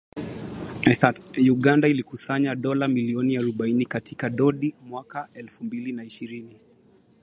Uganda ilikusanya dola milioni arobaini katika kodi mwaka elfu mbili na ishirini